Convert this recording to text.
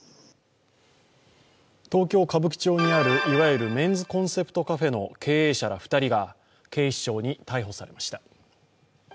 東京・歌舞伎町にある、いわゆるメンズコンセプトカフェの経営者ら２人が、警視庁に逮捕されました。